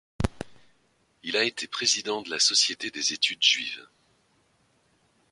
Il a été président de la Société des études juives.